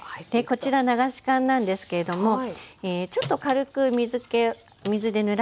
こちら流し函なんですけれどもちょっと軽く水でぬらしています。